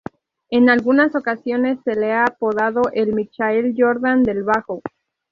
En algunas ocasiones se le ha apodado "el Michael Jordan del bajo".